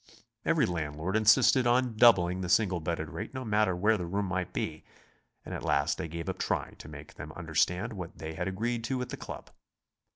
Every^ landlord insisted on doubling the single bedded rate no matter where the room might be, and at last I gave up trying to make them understand what they had agreed to with the Club.